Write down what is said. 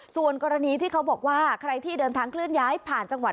ส่วนกรณีที่เขาบอกว่าใครที่เดินทางเคลื่อนย้ายผ่านจังหวัด